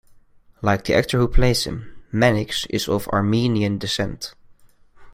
Like the actor who plays him, Mannix is of Armenian descent.